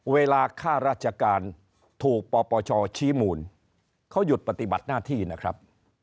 ค่าราชการถูกปปชชี้มูลเขาหยุดปฏิบัติหน้าที่นะครับ